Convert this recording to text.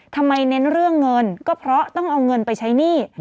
เน้นเรื่องเงินก็เพราะต้องเอาเงินไปใช้หนี้